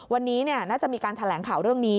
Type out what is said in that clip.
วันนี้น่าจะมีการแถลงข่าวเรื่องนี้